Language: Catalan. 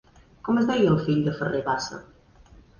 Com es deia el fill de Ferrer Bassa?